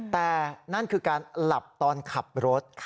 แต่นั่นคือการหลับตอนขับรถ